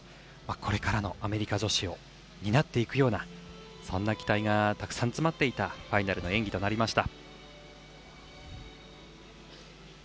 これからのアメリカ女子を担っていくような期待がたくさん詰まっていたファイナルの演技となりました。